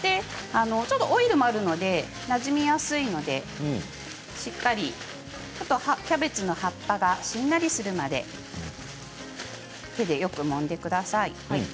オイルもありますのでなじみやすいのでしっかりとキャベツの葉っぱがしんなりするまで手でよくもんでください。